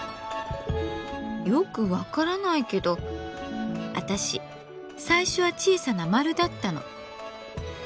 よく分からないけど私最初は小さな丸だったの。